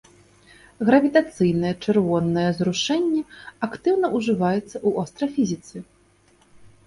Гравітацыйнае чырвонае зрушэнне актыўна ўжываецца ў астрафізіцы.